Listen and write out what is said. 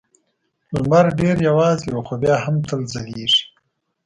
لمر ډېر یوازې وي خو بیا هم تل ځلېږي.